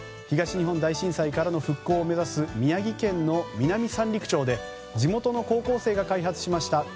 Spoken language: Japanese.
東日本大震災からの復興を目指す宮城県の南三陸町で地元の高校生が開発しました